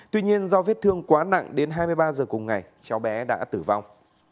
tuy nhiên do viết thương quá nặng đến hai mươi ba h cùng ngày cháu bé đã tử vong